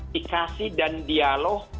dikasih dan dialog